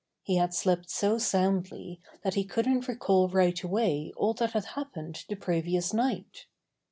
He had slept so soundly that he couldn't recall right away all that had happened the previous night.